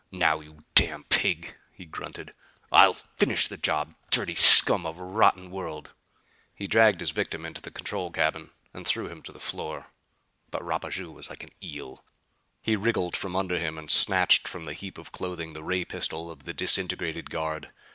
"Now, you damn pig," he grunted, "I'll finish the job. Dirty scum of a rotten world!" He dragged his victim into the control cabin and threw him to the floor. But Rapaju was like an eel. He wriggled from under him and snatched from the heap of clothing the ray pistol of the disintegrated guard.